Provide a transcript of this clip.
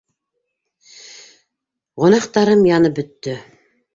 Гонаһтарым янып бөттө!